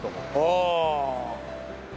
ああ。